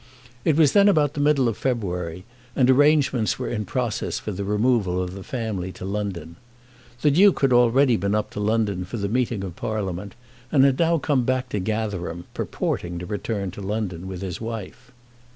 It was then about the middle of February, and arrangements were in process for the removal of the family to London. The Duke had already been up to London for the meeting of Parliament, and had now come back to Gatherum, purporting to return to London with his wife.